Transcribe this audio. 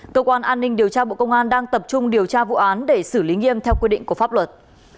cơ quan an ninh điều tra bộ công an đang tập trung điều tra vụ án để xử lý nghiêm theo quy định của pháp luật